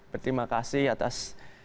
berterima kasih atas